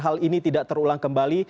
hal ini tidak terulang kembali